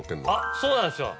そうなんですよ